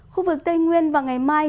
khu vực tây nguyên và ngày mai